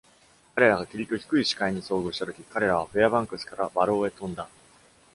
彼らが霧と低い視界に遭遇したとき、彼らはフェアバンクスからバローへ飛んだ。